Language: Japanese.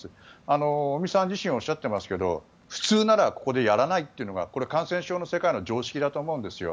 尾身さん自身がおっしゃっていますけど普通ならここでやらないというのが感染症の世界の常識だと思うんですよ。